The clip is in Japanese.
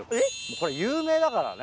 これ有名だからね。